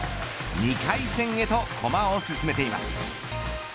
２回戦へと駒を進めています。